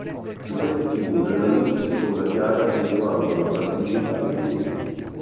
Su queste figure la luce si posa chiara accentuando la plasticità dei volumi.